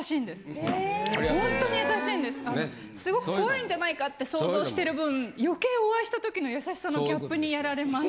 すごく怖いんじゃないかって想像してる分余計お会いした時の優しさのギャップにやられます。